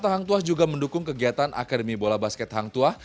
hangtua juga mendukung kegiatan akademi bola basket hangtua